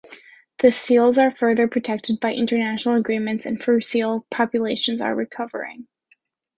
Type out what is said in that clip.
The seals are further protected by international agreements, and fur seal populations are recovering.